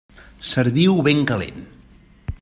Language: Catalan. Serviu-ho ben calent.